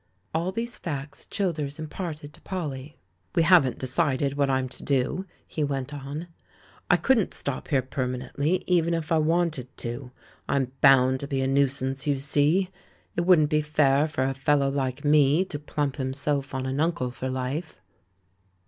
All these facts Childers imparted to Polly. *'We haven't decided what I'm to do," he went on. "I couldn't stop here permanently, even if I wanted to; I'm bound to be a nuisance, you see. It wouldn't be fair for a fellow like me to plump himself on an uncle for life."